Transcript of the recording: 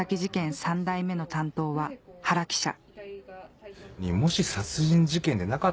３代目の担当は原記者ただ。